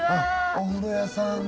お風呂屋さんだ。